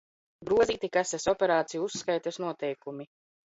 Grozīti kases operāciju uzskaites noteikumi